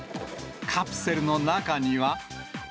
カプセルの中には。